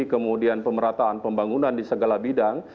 kemudian pemerataan pembangunan di segala bidang